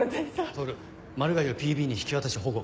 透マルガイをＰＢ員に引き渡して保護。